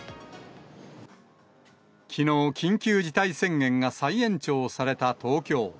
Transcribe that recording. きのう、緊急事態宣言が再延長された東京。